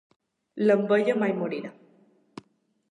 L'enveja mai morirà.